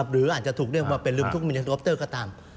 หรืออาจจะถูกเรียกว่าเป็นเรือมทุกข้างบินอัพเตอร์ก็ตาม